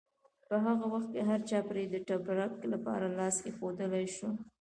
په هغه وخت هرچا پرې د تبرک لپاره لاس ایښودلی شو.